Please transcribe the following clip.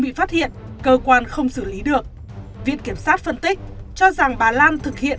bị phát hiện cơ quan không xử lý được viện kiểm sát phân tích cho rằng bà lan thực hiện